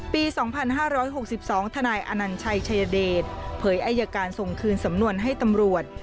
ปี๒๕๖๒ทนายอนัญชัยชายเดชเผยอายการส่งคืนสำนวนให้ตำรวจ